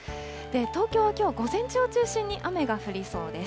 東京、きょう午前中を中心に雨が降りそうです。